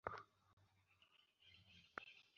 অন্য সকল প্রকার ভক্তি কেবল উহা লাভের সোপানমাত্র।